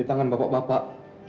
di tangan bapak bapak